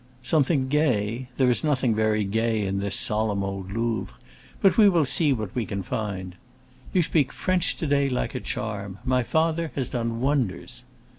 "Something gay? There is nothing very gay in this solemn old Louvre. But we will see what we can find. You speak French to day like a charm. My father has done wonders."